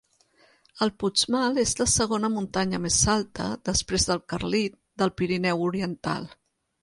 El Puigmal es la segona muntanya més alta, després del Carlit, del Pirineu Oriental.